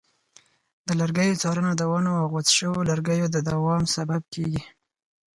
د لرګیو څارنه د ونو او غوڅ شویو لرګیو د دوام سبب کېږي.